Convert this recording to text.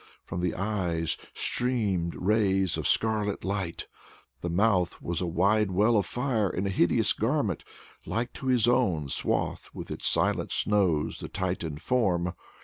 From the eyes streamed rays of scarlet light, the mouth was a wide well of fire, and a hideous garment, like to his own, swathed with its silent snows the Titan form.